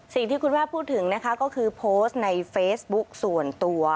สิ่งที่คุณแม่พูดถึงนะคะก็คือโพสต์ในเฟซบุ๊กส่วนตัว